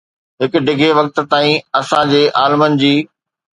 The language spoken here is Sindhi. هڪ ڊگهي وقت تائين، اسان جي عالمن جي